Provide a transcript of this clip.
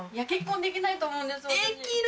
結婚できないと思うんです私。